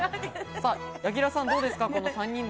柳楽さん、どうですか？